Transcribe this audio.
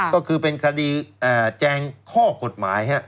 ก็คือเป็นคดีแจงข้อกฎหมาย